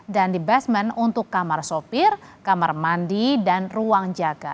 dan di basement untuk kamar sopir kamar mandi dan ruang jaga